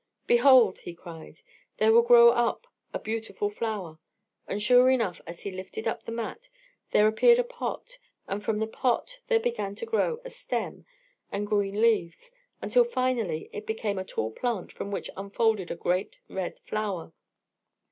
"Behold," he cried, "there will grow up a beautiful flower," and, sure enough, as he lifted up the mat, there appeared a pot, and from the pot there began to grow up a stem and green leaves, until finally it became a tall plant from which unfolded a great red flower.